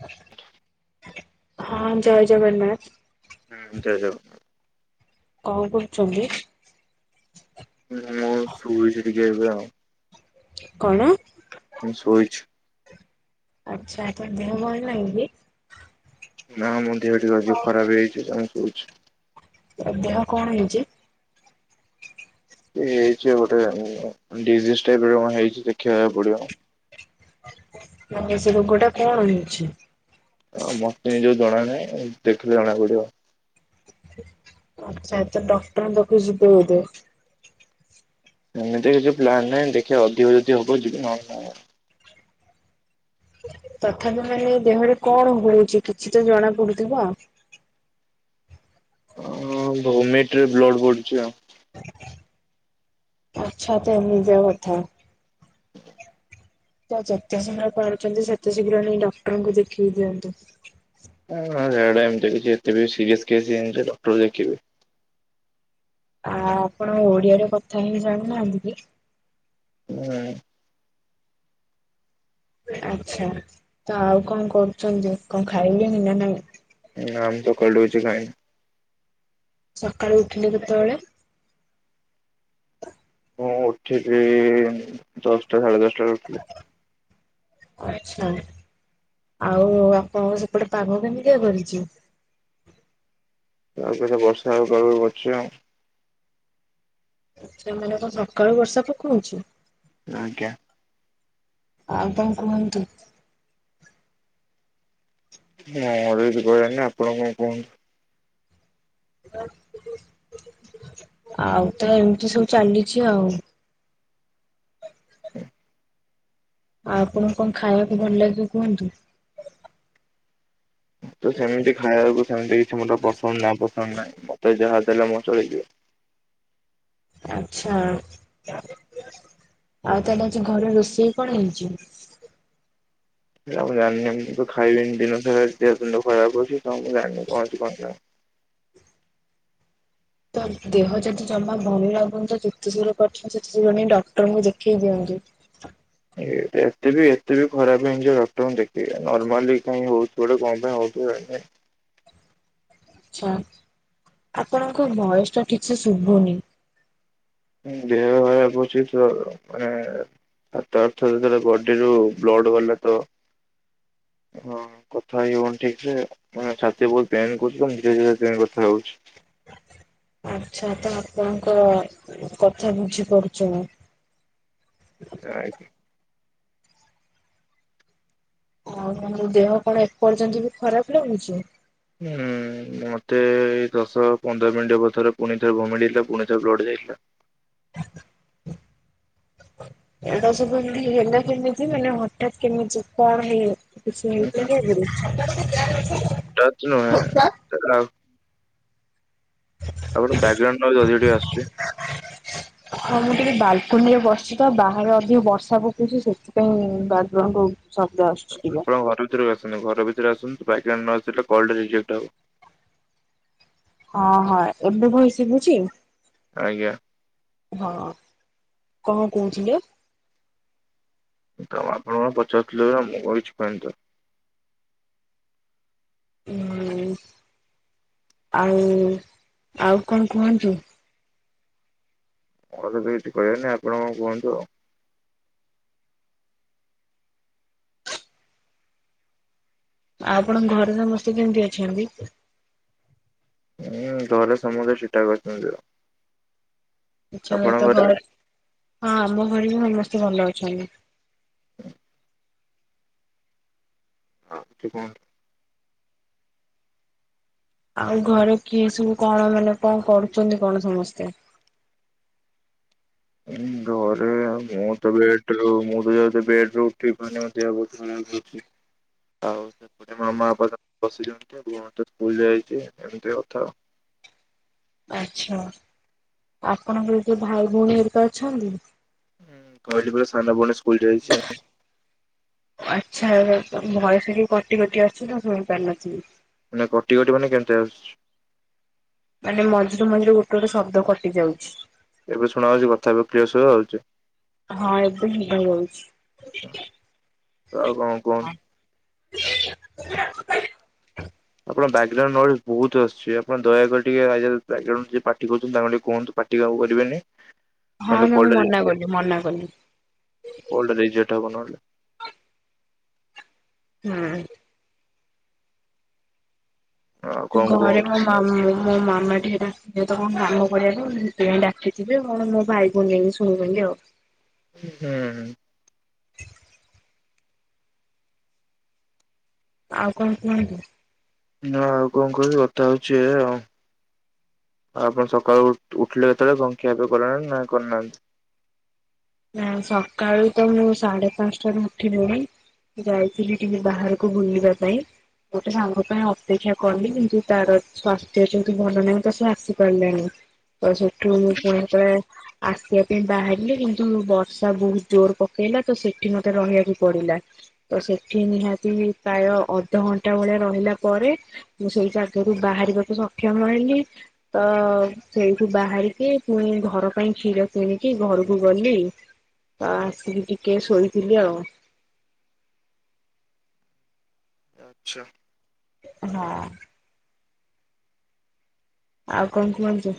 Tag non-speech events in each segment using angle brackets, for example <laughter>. <unintelligible> ହଁ, ଜୟ ଜଗନ୍ନାଥ। ହୁଁ, ଜୟ ଜଗନ୍ନାଥ। କଣ କରୁଚନ୍ତି? ମୁଁ ଶୋଇଚି ଟିକେ ଏବେ ଆଉ। କଣ? ଏ ଶୋଇଚି। ଆଛା କଣ ଦେହ ଭଲ ନାହିଁକି? ନାଁ, ମୋ ଦେହ ଟିକିଏ ଅଧିକ ଖରାପ୍ ହେଇଚି କାଇଁ କୋଉଚୁ। ତଦେହ କଣ ହେଇଚି? ଏଇ ହେଇଚି ଗୋଟେ ଡିଜିଜ୍ ଟାଇପର କଣ ହେଇଚି ଦେଖିବାକୁ ପଡ଼ିବ। ମାନେ ସେ ରୋଗଟା କଣ ହେଇଛି? ଆ ମତେ ନିଯକୁ ଜଣା ନାହିଁ ଦେଖିଲେ ଜଣା ପଡ଼ିବ। ଆଚ୍ଛା ଆଚ୍ଛା ଡକ୍ଟରଙ୍କ ପାଖକୁ ଯିବେ ବୋଧେ? ଏମିତି କିଛି ପ୍ଲାନ୍ ନାହିଁ ଦେଖିଆ ଅଧିକ ଯଦି ହବ ଯିବି ନହନେ ନାହିଁ। ତଥାପି ମାନେ ଦେହରେ କଣ ହଉଚି କିଛିତ ଜଣା ପଡୁଥିବ? ହଁ, ଭୋମେଟିଙ୍ଗ୍ ରେ ବ୍ଲଡ଼ ପଡ଼ୁଚି ଆଉ। ଆଛା, ତ ଏମିତିଆ କଥା। <inaudible> ଏଟା ଯେତେ ଶୀଘ୍ର ପାରୁଚନ୍ତି ସେତେ ଶୀଘ୍ର ନେଇ ଡକ୍ଟରଙ୍କୁ ଦେଖେଇି ଦିଅନ୍ତୁ। ହଁ ସେଟା ଏମିତି କିଛି ଏତେ ବି ସିରିୟସ କେସ୍ ହେଇନିଯେ ଡକ୍ଟର ଦେଖେଇବି। ଆ ଆପଣ ଓଡିଆରେ କଥା ହେଇ ଜାଣିନାହାନ୍ତି କି? ନାଇଁ। ଆଚ୍ଛା ତ ଆଉ କଣ କରୁଚନ୍ତି କଣ ଖାଇଲେଣିନା ନାଇଁ? ନା ମୁଁ ସକାଳଠୁ କିଛି ଖାଇନି। ସକାଳୁ ଉଠିଲେ କେତେବେଳେ? ମୁଁ ଉଠିଲି ଦଶଟା ସାଢ଼େ ଦଶଟାରେ ଉଠିଲି। ଆଚ୍ଛା। ଆଉ ଆପଣଙ୍କ ସେପଟେ ପାଗ କେମିତିଆ କରିଚି? ପାଗତ ବର୍ଷା ହବ ପାଗ କରିଚି ଆଉ। ଆଚ୍ଛା ମାନେ କଣ ସକାଳୁ ବର୍ଷା ପକଉଛି? ଆଜ୍ଞା। ଆଉ କଣ କୁହନ୍ତୁ? ମୋର କିଛି କହିବାର ନାଇଁ ଆପଣ କଣ କୁହନ୍ତୁ। ଆଉତ ଏମିତି ସବୁ ଚାଲିଚି ଆଉ। ଆଉ ଆପଣଙ୍କୁ କଣ ଖାଇବାକୁ ଭଲ ଲାଗେ କୁହନ୍ତୁ? ମତେ ସେମିତି ଖାଇବାକୁ ସେମିତି କିଛି ମୋରେ ପସନ୍ଦ ନା ପସନ୍ଦ ନାହିଁ ମତେ ଯାହା ଦେଲେ ମୋର ଚଳିଯିବ। ଆଚ୍ଛା ଆଉ ତାହେଲେ ଆଜି ଘରେ ରୋଷେଇ କଣ ହେଇଚି? ସେରା ମୁଁ ଜାଣିନି ମୁତ ଖାଇବିନି ଦିନ ସାରା ଦେହ ଖରାପ୍ ଅଛି ମୁଁ ଜାଣିନି କଣ ହେଇଚି କଣ ନାଇଁ। ତ ଦେହ ଯଦି ଜମା ଭଲ ଲାଗୁନି ଯେତେଶୀଘ୍ର ପାରୁଚନ୍ତି ସେତେ ଶୀଘ୍ର ନେଇ ଡାକ୍ତରଙ୍କୁ ଦେଖେଇ ଦିଅନ୍ତୁ। ଏ ଏତେବି ଏତେବି ଖରାପ୍ ହେଇନିଯେ ଡକ୍ଟରଙ୍କୁ ଦେଖେଇବି ନର୍ମାଲି କାଇଁ ହଉଚି ଗୋଟେ କଣ ପାଇଁ ହଉଥିବ ଜାଣିନି। ଆଛା ଆପଣଙ୍କ ଭଏସଟା ଠିକ୍ ସେ ଶୁବୁନି। ଦେହ ଖରାପ୍ ହେଇଚିତ ମାନେ ଆଁ ତାଅର୍ଥର ଯେତେଳେ ବଡିରୁ ବ୍ଲଡ଼ ଗଲେତ ହଁ। କଥା ହେଇ ହଉନି ଠିକସେ ମାନେ ଛାତି ବହୁତ୍ ପେନ୍ କରୁଚିତ ମୁଁ ଧୀରେ ଧୀରେ ସେଥିପାଇଁ କଥା ହଉଚି। ଆଚ୍ଛା ତଆପଣଙ୍କ କଥା ବୁଝିପାରୁଚି ମୁଁ। ରାଇଟ୍। ଆଉ ତମର ଦେହ କଣ ଏପର୍ଯ୍ୟନ୍ତ ବି ଖରାପ ଲାଗୁଛି। ଉଁ ମତେ ଏଇ ଦଶ ପନ୍ଦର ମିନଟ୍ ହବଥର ପୁଣି ଥରେ <unintelligible> ପୁଣି ଥରେ ବ୍ଲଡ ଯାଇଥିଲା। ଏଡ଼ା ସବୁ ଏମିତି ହେଲା କେମିତି ମାନେ ହଠାତ୍ କେମିତି କଣ ହେଇ <unintelligible> ହଟାତ ନୁହେଁ <unintelligible> ଆପଣଙ୍କ ବ୍ୟାଗ୍ରାଉଣ୍ଡ ନଏଜ୍ ଅଧିକ ଟିକେ ଆସୁଚି। ହଁ ମୁଁ ଟିକେ ବାଲକୁନି ରେ ବସିଛି ତ ବାହାରେ ଅଧିକ ବର୍ଷା ପକଉଛି ସେଥିପାଇଁ ବାଗ୍ରାଉଣ୍ଡ ଶବ୍ଦ ଆସୁଛି ଟିକେ। ଆପଣ ଘର ଭିତରକୁ ଆସନ୍ତୁ ଘର ଭିତରେ ଆସନ୍ତୁ ବାଗ୍ରାଉଣ୍ଡ ନଏଜ ହେଲେ କଲ ଟା ରିଯେକ୍ଟ ହବ। ହଁ ହଁ ଏବେ ଭଲ ଶୁଭୁଛି? ଆଜ୍ଞା। ହଁ, କଁ କହୁଥିଲେ? ତ ଆପଣ କଣ ପଚାରୁଥିଲେ ବା ମୁଁ କିଛି କହିନି ତ। ଉଁ ଆଉ ଆଉ କଣ କୁହନ୍ତୁ। ମୋର ତ କିଛି କହିବାର ନାଇ ଆପଣ କଣ କୁହନ୍ତୁ। ଆ ଆପଣଙ୍କ ଘରେ ସମସ୍ତେ କେମିତି ଅଛନ୍ତି? ଉଁ ଘରେ ସମସ୍ତେ ଠିକ ଠାକ ଅଛନ୍ତି। ଆଛା ଆପଣଙ୍କ ତ ଘରେ? ଘ ହଁ ଆମ ଘରେ ବି ସମସ୍ତେ ଭଲ ଅଛନ୍ତି। ହଁ <unintelligible> ଆଉ ଘରେ କିଏ ସବୁ କଣ ମାନେ କଣ କରୁଛନ୍ତି କଣ ସମସ୍ତେ? ହୁଁ ଘରେ ମୁଁ ତ ବେଡ ରୁ ମୁଁ ତ ଯୋଉ ବେଡରୁ ଉଠି ପାରୁନି, ମୋ ଦେହ ବହୁତ୍ ଖରପ <unintelligible> ଆଉ ସେପଟେ ମାମା ବାପା ତ ବସିଛନ୍ତି, ଭଉଣୀ ତ ସ୍କୁଲ ଯାଇଛି, ଏମିତି କଥା ଆଉ। ଆଛା, ଆପଣଙ୍କର କିଏ ଭାଇ ଭଉଣୀ ହେରିକା ଅଛନ୍ତି? କହିଲି ପରା ସାନ ଭଉଣୀ ସ୍କୁଲ ଯାଇଛି। <unintelligible> ଆଚ୍ଛା ତମ ଭୟସ ଟା ଟିକେ କଟି କଟି ଆସୁଛି ତ ଶୁଣି ପାରିନଥିଲି। ମାନେ କଟି କଟି ମାନେ କେମିତିଆ ଆସୁଚି। ମାନେ ମଝିରୁ ମଝିରୁ ଗୋଟେ ଗୋଟେ ଶବ୍ଦ କଟି ଯାଉଛି। ଏବେ ଶୁଣା ହଉଛି କଥା ଏବେ କ୍ଲିୟର ଶୁବା ହଉଛି। ହଁ ଏବେ ଶୁଭା ଯାଉଛି। ତ ଆଉ କଁ କୁହନ୍ତୁ। <unintelligible> ଆପଣ ବ୍ୟାଗ୍ରାଉଣ୍ଡ ନଏଜ୍ ବହୁତ ଆସୁଛି ଆପଣ ଦୟାକରି ଟିକେ ଆଇ ବ୍ୟାଗ୍ରାଉଣ୍ଡୁ ଯିଏ ପାଟି କରୁଛନ୍ତି ତାଙ୍କୁ ଟିକେ କୁହନ୍ତୁ, ପା ଟି ଆଉ କରିବେନି। ହଁ ନହେଲେ ତାକୁ କଲଟା ରି ମନା କଲି, ମନା କଲି। କଲ ଟା ରିଜେକ୍ଟ ହବ ନହେଲେ। ହୁଁ। ଆଉ କଣ ଘରେ କୁହନ୍ତୁ <unintelligible> ହଁ ମୁଁ ମୋ ମାମା ଟିକେ ଡାକିଥିବେ ତ କଣ କାମ କରିବାକୁ ସେଥିପାଇଁ ଡାକିଚି ଜେ କଣ ମୋ ଭାଇ ବୁଲେଇକି ଶୁଣୁଚନ୍ତି ଆଉ। ହୁଁ। ଆଉ କଣ କୁହନ୍ତୁ। ନା ଆଉ କଁ କହିବି କଥା ହଉଛି ଏୟା। ଆଉ ଆପଣ ସକାଳୁ ଉଠିଲେ କେତେବେଳେ କନ ଖିଆ ପିଆ କଲେଣି ନା ନାଁ କରିନାହାନ୍ତି? ନା ସକାଳୁ ତ ମୁଁ ସାଢେ ପାଞ୍ଚଟାରୁ ଉଠିଲିଣି। ଯାଇଥିଲି ଟିକେ ବାହାରକୁ ବୁଲିବା ପାଇଁ। ଗୋଟେ ସାଙ୍ଗ ପାଇଁ ଅପେକ୍ଷା କଲି କିନ୍ତୁ ତାର ସ୍ଵାସ୍ଥ୍ୟ ଯେହେତୁ ଭଲ ନାହିଁ ତା ସେ ଆସି ପାରିଲାନି। ତ ସେଠୁ ମୁଁ ପୁଣି ଯେତେବେଳେ ଆସିବା ପାଇଁ ବାହାରିଲିଣି ତୁ ବର୍ଷା ବହୁତ ଜୋର ପକେଇଲା ତ ସେଠି ମତେ ରହିବାକୁ ପଡିଲା। ତ ସେଠି ନିହାତି ପ୍ରାୟ ଅଧଘଣ୍ଟା ଭଳିଆ ରହିଲା ପରେ ମୁଁ ସେଇ ଜାଗାରୁ ବାହାରିବାକୁ ସକ୍ଷମ ହେଲି। ତ ସେଇଠୁ ବାହାରିକି ପୁଣି ଘର ପାଇଁ କ୍ଷୀର କିଣିକି ଘରକୁ ଗଲି। ଆ ଆସିକି ଟିକେ ଶୋଇଥିଲି ଆଉ। ଆଚ୍ଛା। ହଁ। ଆଉ କଣ କୁହନ୍ତୁ।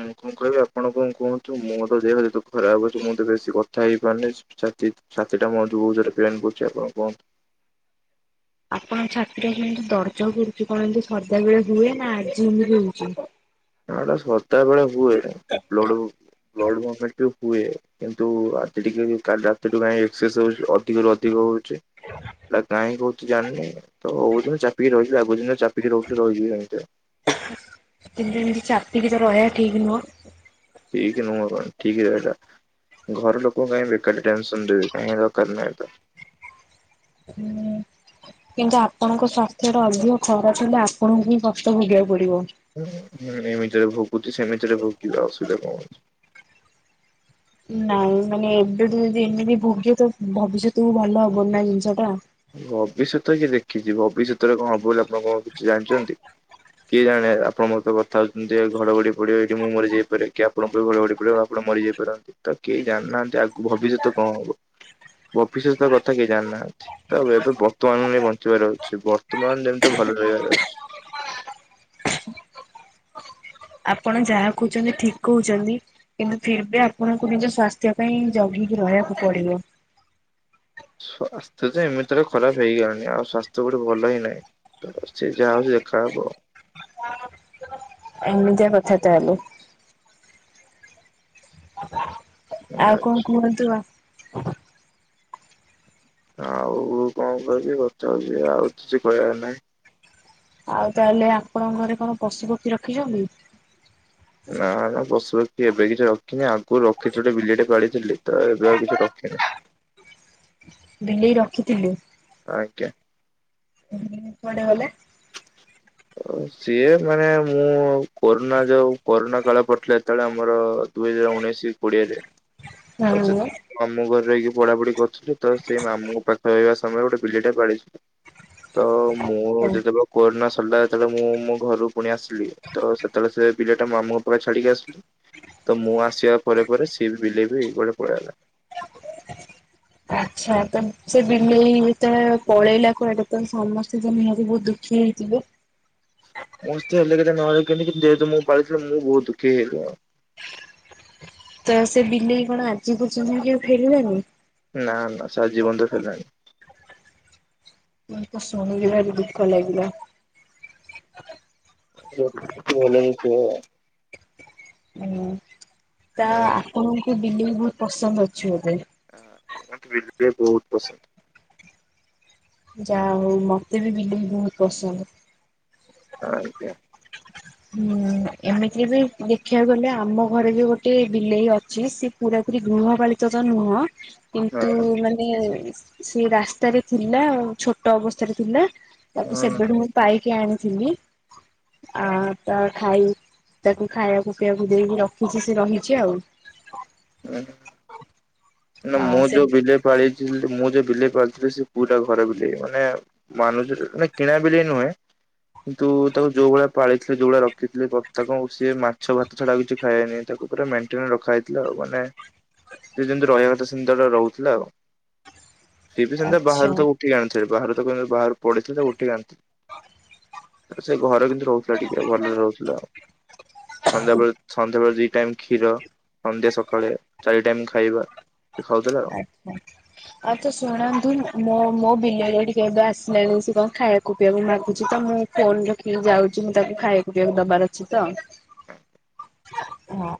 ମୁଁ କଣ କହିବି ଆପଣ କଣ କୁହନ୍ତୁ ମୋର ଦେହ ଯେହେତୁ ଖରାପ ଅଛି ମୁଁ ତ ବେଶୀ କଥା ହେଇପାରୁନି। ଛାତି ଛାତି ଟା ମୋର ବହୁତ୍ ଜୋରେ ପେନ୍ କରୁଚି ଆପଣ କୁହନ୍ତୁ। ଆପଣଙ୍କ ଛାତିର କେନ୍ତି ଦର୍ଜ କରୁଚି କଣ ଏମତି ସଦା ବେଳେ ହୁଏ ନା ଆଜି ଏମତି ହଉଚି? ନା ଏଟା ସଦା ବେଳେ ହୁଏ। <unintelligible> ହୁଏ। କିନ୍ତୁ ଆଜି ଟିକେ ବି କାଲି ରାତିଠୁ କାଇଁ ଏକ୍ସସେ ହଉଚି ଅଧିକ ରୁ ଅଧିକ ହଉ ଚି ଏଟା କାଇଁ ହଉଚି ଜାଣିନି ତ <unintelligible> ଚାପିକି ରହି <unintelligible> ଚାପିକି ରଖିଲେ ରହିଯିବି ଏମିତିଆ। କିନ୍ତୁ ଏମିତି ତ ଚାପିକି ତ ରହିବା ଠିକ୍ ନୁହଁ। ଠିକ୍ ନୁହଁ କଣ ଠିକ୍ ରେ ଏଟା ଘର ଲୋକଙ୍କୁ କାଇଁ ବେକାର ରେ ଟେନସନ୍ ଦେବି। କାହିଁ ଦରକାର ନାହିଁ ତ। <unintelligible> କିନ୍ତୁ ଆପଣଙ୍କ ସ୍ଵାସ୍ଥ୍ୟ ଟା ଅଧିକ ଖରାପ ହେଲେ ଆପଣଙ୍କୁ ହିଁ କଷ୍ଟ ଭୋଗିବାକୁ ପଡିବ। ଏମିତିରେ ଭୋଗୁଚି ସେମିତିରେ ଭୋଗିବା ଅସୁବିଧା କଣ ଅଛି। ନାଇଁ ମାନେ ଏବେଠୁ ଯଦି ଏମିତି ଭୋଗିବେ ତ ଭବିଷ୍ୟତକୁ ଭଲ ହବନି ନା ଜିନିଷ ଟା। ଭବିଷ୍ୟତ କିଏ ଦେଖିଚି, ଭବିଷ୍ୟତରେ କଣ ହବ ବୋଲି ଆପଣ କଣ କିଛି ଜାଣିଛନ୍ତି। କିଏ ଜାଣେ ଆପଣ ମୋ ସହିତ କଥା ହଉଛନ୍ତି ଘଡଘଡି ପଡିବ ଏଠି ମୁଁ ମରି ଯାଇପାରେ। ଆପଣଙ୍କ ଘଡ ଘଡି ପଡିବ ଆପଣ ମରିଯାଇ ପାରନ୍ତି। ତ କେହି ଜାଣିନାହାନ୍ତି ଆଗକୁ ଭବିଷ୍ୟତ କଣ ହବ। ଭବିଷ୍ୟତ କଥା କେହି ଜାଣି ନାହାନ୍ତି। ତ ଏବେ ବର୍ତ୍ତମାନରେ ବଞ୍ଚିବାର ଅଛି। ବର୍ତ୍ତମାନ ଯେମିତି ଭଲ ରହିବାର ଅଛି। ଆପଣ ଯାହା କହୁଚନ୍ତି ଠିକ୍ କହୁଚନ୍ତି। କିନ୍ତୁ ଫିର୍ ବି ଆପଣଙ୍କୁ ନିଜ ସ୍ଵାସ୍ଥ୍ୟ ପାଇଁ ଜଗିକି ରହିବାକୁ ପଡିବ। ସ୍ୱାସ୍ଥ୍ୟ ଯେ ଏମିତି ରେ ଖରାପ ହେଇଗଲାଣି। ଆଉ ସ୍ୱାସ୍ଥ୍ୟ କୋଉଠି ଭଲ ହିଁ ନାଇଁ। ତ ସେ ଯାହା ହଉଚି ଦେଖା ହବ। ଏମିତିଆ କଥା ତାହେଲେ। ଆଉ କଣ କୁହନ୍ତୁ। ଆଉ କଣ କହିବି କଥା ହଉଚି ଆଉ କିଛି କହିବାର ନାଇଁ। ଆଉ ତାହେଲେ ଆପଣଙ୍କ ଘରେ କଣ ପଶୁ ପକ୍ଷୀ ରଖିଚନ୍ତି? ନା ନା ପଶୁପକ୍ଷୀ ଏବେ କିଛି ରଖିନି। ଆଗରୁ ରଖିକି ଗୋଟେ ବିଲେଇ ଟେ ପାଳିଥିଲି ତ ଏବେ ଆଉ କିଛି ରଖିନି। ବିଲେଇ ରଖିଥିଲେ। ଆଜ୍ଞା। ହୁଁ କୁଆଡେ ଗଲେ? ସିଏ ମାନେ ମୁଁ କୋରୋନା ଯୋଉ କୋରୋନା କାଳ ପଡିଥିଲା ଯେତେବେଳେ ଆମର ଦୁଇ ହଜାର ଉଣେଇଶ କୋଡ଼ିଏରେ, ଅ ହଁ ସେତି ମାମୁଁ ଘରେ ରହିକି ପଢାପଢି କରୁଥିଲି ତ ସେଇ ମାମୁଁଙ୍କ ପାଖରେ ରହିବା ସମୟରେ ଗୋଟେ ବିଲେଇଟା ପାଳିଚି। ତ ମୁଁ ଯେତେବେଳେ କୋରୋନା ସ ଥିଲା ଯେତେବେଳେ ମୁଁ ମୋ ଘରକୁ ପୁଣି ଆସିଲି ତ ସେତେବେଳେ ସେ ବିଲେଇଟା ମାମୁଁଙ୍କ ପାଖେ ଛାଡିକି ଆସିଲି। ତ ମୁଁ ଆସିବା ପରେ ପରେ ସିଏ ବି ବିଲେଇ ବି କୁଆଡେ ପଳେଇଲା। ଆଚ୍ଛା ତ ସେ ବିଲେଇ ଯେତେବେଳେ ପଳେଇଲା କୁଆଡେ ତ ସମସ୍ତେ ତ ନିହାତି ବହୁତ ଦୁଃଖୀ ହେଇଥିବେ। ସମସ୍ତେ ହେଲେ କେତେ ନହେଲେ କେତେ କିନ୍ତୁ ଯେହେତୁ ମୁଁ ପାଳିଥିଲି ମୁଁ ବହୁତ ଦୁଖୀ ହେଇଗଲି ଆଉ। ତ ସେ ବିଲେଇ କଣ ଆଜି ପଯ୍ୟନ୍ତ କେବେ ଫେରିଲାନି? ନା ନା ସେ ଆଜି ପଯ୍ୟନ୍ତ ଫେରିଲାନି। ମୋତେ ଶୁଣିକି ଭାରି ଦୁଃଖ ଲାଗିଲା। ଯୋ ଭଲ ନଥିବ। ହଁ ତା ଆଉ। ଆପଣଙ୍କୁ ବିଲେଇ ବହୁତ ପସନ୍ଦ ଅଛି ବୋଧେ। ହୁଁ ମତେ ବିଲେଇ ବହୁତ ପସନ୍ଦ। ଯା ହଉ ମତେ ବି ବିଲେଇ ବହୁତ ପସନ୍ଦ। ଆଜ୍ଞା। ହୁଁ ଏମିତି ବି ଦେଖିଆକୁ ଗଲେ ଆମ ଘରେ ବି ଗୋଟେ ବିଲେଇ ଅଛି ସେ ପୁରା ପୁରୀ ଗୃହପାଳିତ ତ ନୁହଁ କିନ୍ତୁ ହଁ। ମାନେ ସେ ରାସ୍ତାରେ ଥିଲା ଆଉ ଛୋଟ ଅବସ୍ଥାରେ ଥିଲା ତାକୁ ସେବେଠୁ ହଁ। ମୁଁ ପାଇକି ଆଣିଥିଲି ଆ ତା ଖାଇ ତାକୁ ଖାଇଆକୁ ପିଇଆକୁ ଦେଇକି ରଖିଚି ସେ ରହିଚି ଆଉ। ଉଁ ହୁଁ। ମାନେ ଆଉ ମୁଁ ସେ ଯୋଉ ବିଲେଇ ପାଳିଚି ମୁଁ ଯୋଉ ବିଲେଇ ପାଳିଥିଲି ସେ ପୁରା ଘର ବିଲେଇ ମାନେ ମାନୁଥିଲି ନାଇ କିଣା ବିଲେଇ ନୁହେଁ। କିନ୍ତୁ ତାକୁ ଯୋଉ ଭଳିଆ ପାଳିଥିଲି ଯୋଉ ଭଳିଆ ରଖିଥିଲି ତାକୁ ସିଏ ମାଛ ଭାତ ଛଡା କିଛି ଖାଇଏନି ତାକୁ ପୁରା ମେନଣ୍ଟେନ ରଖା ହେଇଥିଲା ଆଉ ମାନେ ସେ ଯେମିତି ରହିଆ କଥା ସେମିତିଆ ରହୁଥିଲା ଆଉ ସେ ବି ସେମିତିଆ ଆଚ୍ଛା ବାହାରୁ ତାଉ ଉଠିକି ଆଣିଥିଲି ବାହାରୁ ତାକୁ ବାହାରୁ ପଡିଥିଲା ତାକୁ ଉଠିକି ଆଣିଥିଲି। ସେ ଘର କୁନ୍ତୁ ରହୁଥିଲା ଟିକେ ଭଲରେ ରହୁଥିଲା ଆଉ। ସନ୍ଧ୍ୟାବେଳେ ସନ୍ଧ୍ୟାବେଳେ ଦି ଟାଇମ୍ କ୍ଷୀର ସନ୍ଧ୍ୟା ସକାଳେ ଚାରି ଟାଇମ ଖାଇବା। ଖାଉଥିଲା ଆଉ। ଆଜ୍ଞା। ଆଛା ଶୁଣନ୍ତୁ ମୋ ମୋ ବିଲେଇ ଟିକେ ଏବେ ଆସିଲାଣି ସେ କଣ ଖାଇବାକୁ ପିଇବାକୁ ମାଗୁଛି ତ ମୁଁ ଫୋନ ରଖିକି ଯାଉଚି ମୁଁ ତାକୁ ଖାଇବାକୁ ପିଇବାକୁ ଦବାର ଅଛି ତ। ହଁ।